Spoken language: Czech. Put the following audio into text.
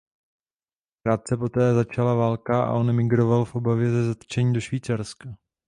Krátce poté začala válka a on emigroval v obavě ze zatčení do Švýcarska.